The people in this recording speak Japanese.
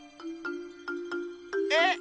えっ？